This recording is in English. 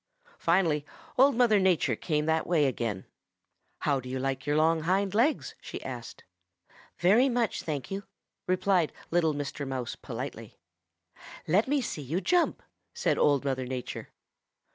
Finally Old Mother Nature came that way again. "'How do you like your long hind legs?' she asked. "'Very much, thank you,' replied little Mr. Mouse politely. "'Let me see you jump,' said Old Mother Nature.